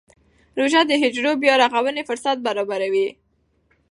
روژه د حجرو بیا رغونې فرصت برابروي.